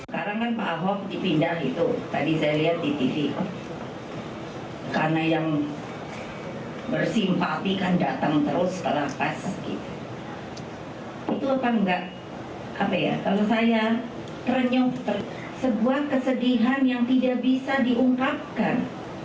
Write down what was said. ternyuh sebuah kesedihan yang tidak bisa diungkapkan